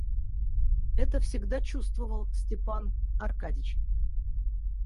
Это всегда чувствовал Степан Аркадьич.